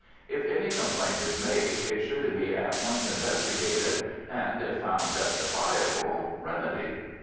If any complaint is made, it should be at once investigated, and, if found justifiable, remedied.